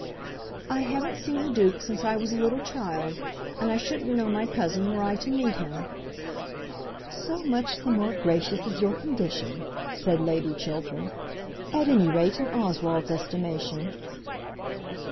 "I haven't seen the Duke since I was a little child, and I shouldn't know my cousin were I to meet him." "So much the more gracious is your condition," said Lady Chiltern, "at any rate in Oswald's estimation."